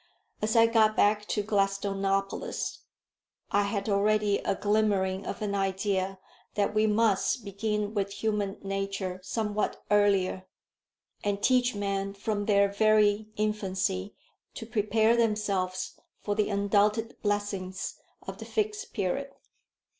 As I got back to Gladstonopolis, I had already a glimmering of an idea that we must begin with human nature somewhat earlier, and teach men from their very infancy to prepare themselves for the undoubted blessings of the Fixed Period.